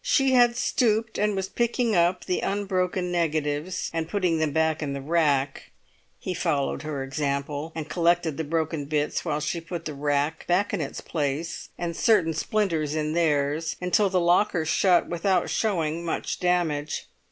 She had stooped, and was picking up the unbroken negatives and putting them back in the rack; he followed her example, and collected the broken bits, while she put the rack back in its place, and certain splinters in theirs, until the locker shut without showing much damage.